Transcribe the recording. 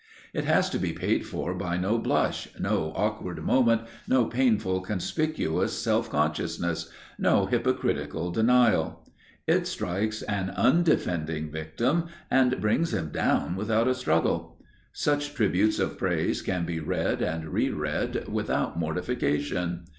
It has to be paid for by no blush, no awkward moment, no painful conspicuous self consciousness, no hypocritical denial. It strikes an undefending victim, and brings him down without a struggle. Such tributes of praise can be read and reread without mortification.